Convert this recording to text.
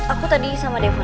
aku tadi sama depon